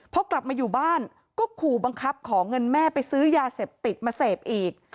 พอกลับมาอยู่บ้านก็ขู่บังคับขอเงินแม่ไปซื้อยาเสพติดมาเสพอีก